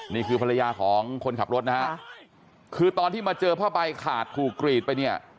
นี่คือภรรยาของคนขับรถนะฮะคือตอนที่มาเจอผ้าใบขาดถูกกรีดไปเนี่ย